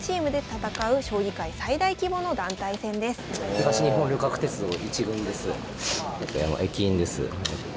東日本旅客鉄道１軍です。